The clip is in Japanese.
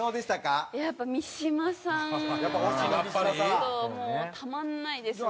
ちょっともうたまらないですね。